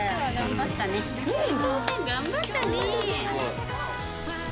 ・頑張ったね。